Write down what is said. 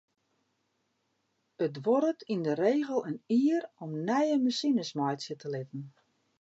It duorret yn de regel in jier om nije masines meitsje te litten.